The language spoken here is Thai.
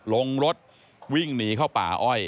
ลงรถวิ่งหนีเข้าป่าอ้อย